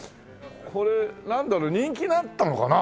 これなんだろう人気だったのかな？